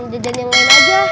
jajan yang lain aja